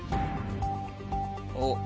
おっ。